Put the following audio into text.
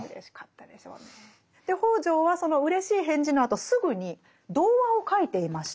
北條はそのうれしい返事のあとすぐに童話を書いていまして。